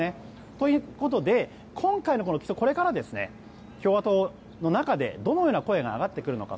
ということで今回の起訴はこれから共和党の中でどのような声が上がってくるのか